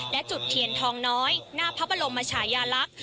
และจุดเทียนทองน้อยหน้าพระบรมชายาลักษณ์